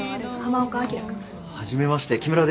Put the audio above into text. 初めまして木村です。